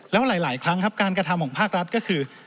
แล้วหลายครั้งครับการกระทำของภาครัฐก็คือ